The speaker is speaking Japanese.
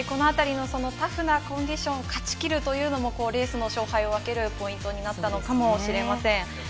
タフなコンディションを勝ち切るというのもレースの勝敗を分けるポイントになったのかもしれません。